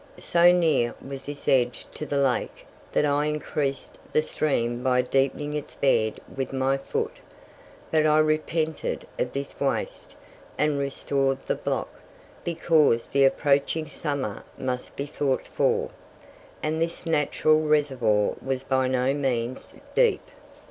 So near was this edge to the lake that I increased the stream by deepening its bed with my foot; but I repented of this waste, and restored the block, because the approaching summer must be thought for, and this natural reservoir was by no means deep.